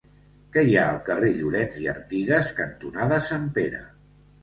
Què hi ha al carrer Llorens i Artigas cantonada Sant Pere?